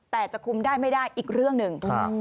แต่จะคุมได้ไม่ได้อีกเรื่องหนึ่ง